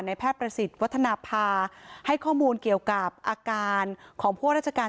แพทย์ประสิทธิ์วัฒนภาให้ข้อมูลเกี่ยวกับอาการของพวกราชการ